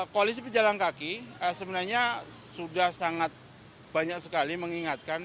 koalisi pejalan kaki sebenarnya sudah sangat banyak sekali mengingatkan